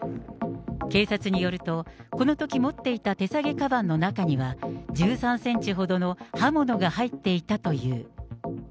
警察によると、このとき持っていた手提げかばんの中には、１３センチほどの刃物が入っていたという。